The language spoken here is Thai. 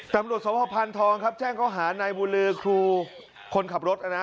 ตำรวจสวพพันธ์ทองครับแจ้งก้าวหาในบุรือครูคนขับรถนะ